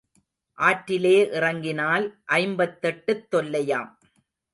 ஆற்றிலே இறங்கினால் ஐம்பத்தெட்டுத் தொல்லையாம்.